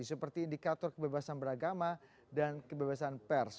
seperti indikator kebebasan beragama dan kebebasan pers